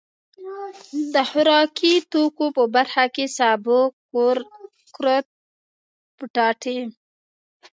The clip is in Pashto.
د خوراکتوکو په برخه کې سابه، کورت، پياټي.